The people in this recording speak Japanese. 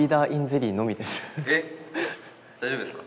⁉大丈夫ですか？